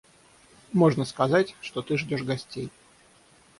Можно сказать, что ты ждешь гостей.